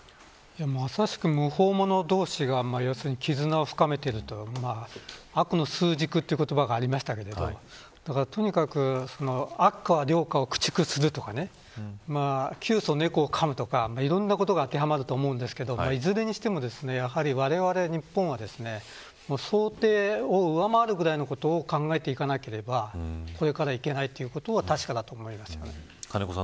まさしく、無法者同士が絆を深めているというような悪の枢軸という言葉がありましたが悪貨は良貨を駆逐するとか窮鼠猫をかむとかいろいろなことが当てはまると思うんですがいずれにしても、われわれ日本は想定を上回るようなことを考えていかなければこれからいけないということは確かです。